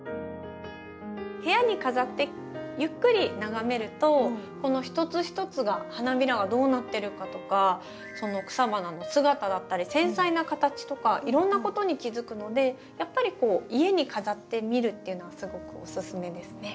部屋に飾ってゆっくり眺めるとこの一つ一つが花びらがどうなってるかとかその草花の姿だったり繊細な形とかいろんなことに気付くのでやっぱり家に飾ってみるっていうのはすごくおすすめですね。